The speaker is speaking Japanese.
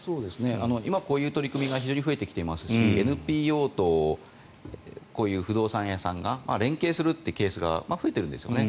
今、こういう取り組みが非常に増えてきていますしＮＰＯと不動産屋さんが連携するというケースが増えているんですよね。